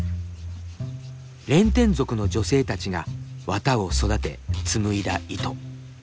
レンテン族の女性たちが綿を育て紡いだ糸。